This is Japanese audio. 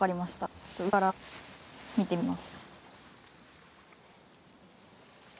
ちょっと上から見てみます